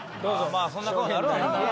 そんな顔になるわな。